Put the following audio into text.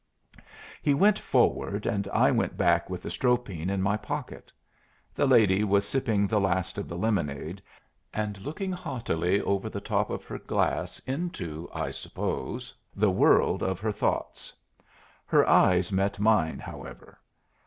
He went forward, and I went back with the Stropine in my pocket. The lady was sipping the last of the lemonade and looking haughtily over the top of her glass into (I suppose) the world of her thoughts. Her eyes met mine, however.